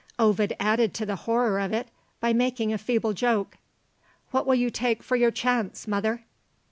Ovid added to the horror of it by making a feeble joke. "What will you take for your chance, mother?"